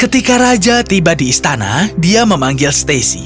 ketika raja tiba di istana dia memanggil stacy